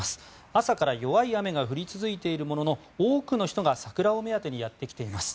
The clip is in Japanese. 朝から弱い雨が降り続いているものの多くの人が桜を目当てにやってきています。